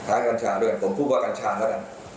กัญชาด้วยผมพูดว่ากัญชาแล้วกัน